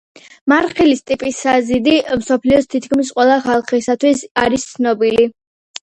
მარხილის ტიპის საზიდი მსოფლიოს თითქმის ყველა ხალხისათვის არის ცნობილი.